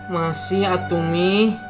masih atuh mi